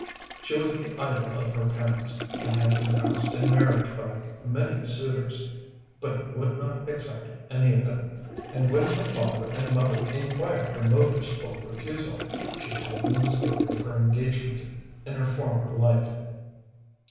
She was the idol of her parents, and had been asked in marriage by many suitors, but would not accept any of them; and when her father and mother inquired her motives for refusal, she told them the story of her engagement in her former life.